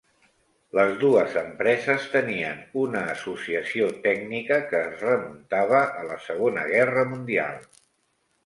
Les dues empreses tenien una associació tècnica que es remuntava a la Segona Guerra Mundial.